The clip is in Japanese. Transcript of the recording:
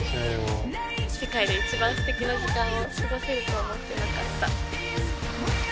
世界で一番素敵な時間を過ごせると思ってなかった。